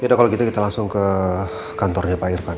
yaudah kalau gitu kita langsung ke kantornya pak irvan